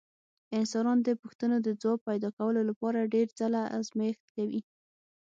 انسانان د پوښتنو د ځواب پیدا کولو لپاره ډېر ځله ازمېښت کوي.